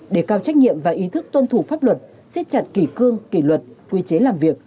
để cao trách nhiệm và ý thức tuân thủ pháp luật xiết chặt kỷ cương kỷ luật quy chế làm việc